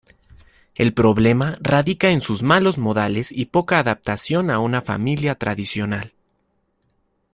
El problema radica en sus malos modales y poca adaptación a una familia tradicional.